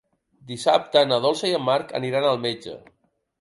Dissabte na Dolça i en Marc aniran al metge.